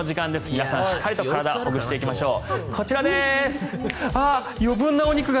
皆さん、しっかりと体をほぐしていきましょう。